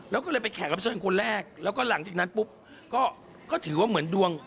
แล้วก็เลยไปแขกรับเชิญคนแรกแล้วก็หลังจากนั้นปุ๊บก็ถือว่าเหมือนดวง